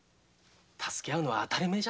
助け合うのは当たり前だ。